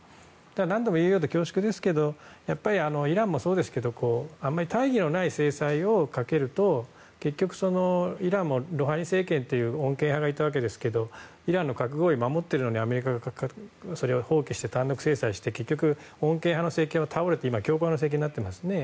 何度も言うようで恐縮ですがやっぱりイランもそうですけどあまり大義のない制裁をかけると結局、イランもロウハニ政権という穏健派がいたわけですがイランの核合意を守ってるのにアメリカがそれを放棄して単独制裁して結局、穏健派の政権が倒れて今は強硬派政権ですよね。